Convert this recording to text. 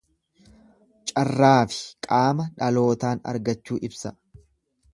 Carraafi qaama dhalootaan argachuu ibsa.